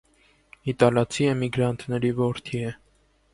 Իտալացի էմիգրանտների որդի է։